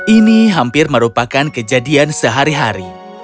ini hampir merupakan kejadian sehari hari